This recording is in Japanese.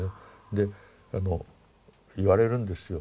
で言われるんですよ。